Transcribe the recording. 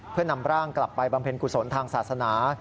เพื่อนำร่างกลับไปบำเพ็ญกุศลทางศาสนา